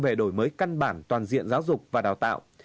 về đổi mới căn bản toàn diện giáo dục và đào tạo